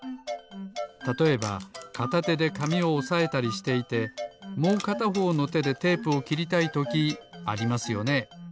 たとえばかたてでかみをおさえたりしていてもうかたほうのてでテープをきりたいときありますよね。